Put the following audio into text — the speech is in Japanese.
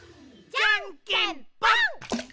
じゃんけんぽん！